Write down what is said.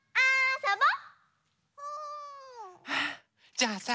じゃあさ